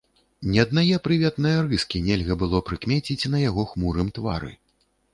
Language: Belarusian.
Ні аднае прыветнае рыскі нельга было прыкмеціць на яго хмурым твары.